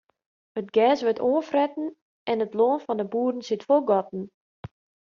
It gers wurdt oanfretten en it lân fan de boeren sit fol gatten.